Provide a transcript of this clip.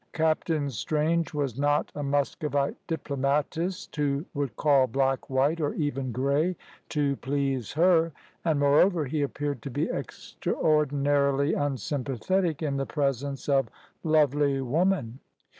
Captain Strange was not a Muscovite diplomatist, who would call black white, or even grey, to please her; and, moreover, he appeared to be extraordinarily unsympathetic in the presence of lovely woman.